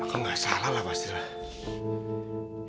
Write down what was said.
aku gak salah lah pasti lah